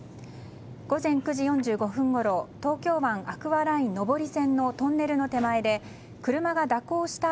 午前９時４５分ごろ東京湾アクアライン上り線のトンネルの手前で車が蛇行した